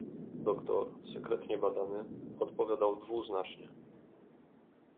"Doktor, sekretnie badany, odpowiadał dwuznacznie."